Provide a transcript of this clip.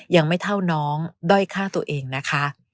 ยังไม่เท่าน้องด้อยฆ่าตัวเองนะคะ